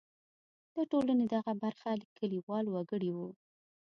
د ټولنې دغه برخه کلیوال وګړي وو.